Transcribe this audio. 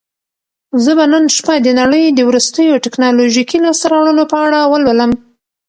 زه به نن شپه د نړۍ د وروستیو ټیکنالوژیکي لاسته راوړنو په اړه ولولم.